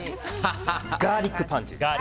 ガーリックパンチ。